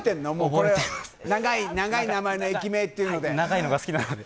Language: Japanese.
この長い名前の駅名っていうので。